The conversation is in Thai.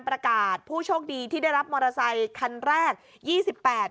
ประกาศผู้โชคดีที่ได้รับมอเตอร์ไซคันแรกยี่สิบแปด